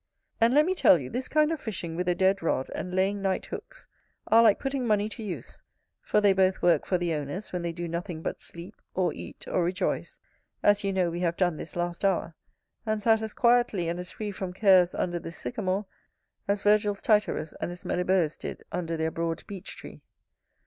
And, let me tell you, this kind of fishing with a dead rod, and laying night hooks, are like putting money to use; for they both work for the owners when they do nothing but sleep, or eat, or rejoice, as you know we have done this last hour, and sat as quietly and as free from cares under this sycamore, as Virgil's Tityrus and his Meliboeus did under their broad beech tree.